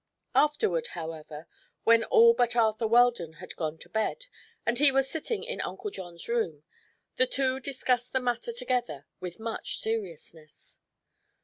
Afterward, however, when all but Arthur Weldon had gone to bed and he was sitting in Uncle John's room, the two discussed the matter together with much seriousness.